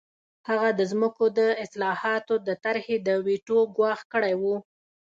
هغه د ځمکو د اصلاحاتو د طرحې د ویټو ګواښ کړی و